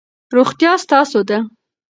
روغتیا ستاسو ده.